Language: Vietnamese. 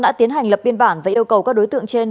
đã tiến hành lập biên bản và yêu cầu các đối tượng trên